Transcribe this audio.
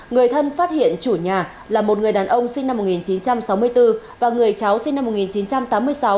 người thân phát hiện chủ nhà là một người đàn ông sinh năm một nghìn chín trăm sáu mươi bốn và người cháu sinh năm một nghìn chín trăm tám mươi sáu